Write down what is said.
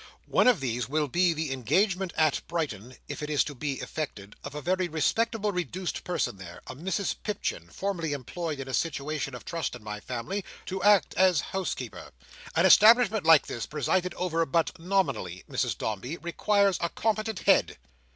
One of these, will be the engagement at Brighton (if it is to be effected), of a very respectable reduced person there, a Mrs Pipchin, formerly employed in a situation of trust in my family, to act as housekeeper. An establishment like this, presided over but nominally, Mrs Dombey, requires a competent head."